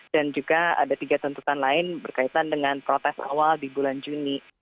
dan juga ada tiga tuntutan lain berkaitan dengan protes awal di bulan juni